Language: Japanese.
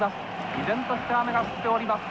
依然として雨が降っております。